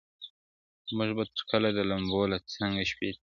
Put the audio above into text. موږ به تر کله د لمبو له څنګه شپې تېروو!!